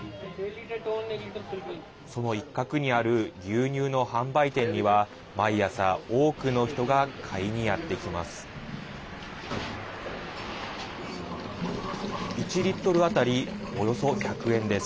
その一角にある牛乳の販売店には毎朝、多くの人が買いにやってきます。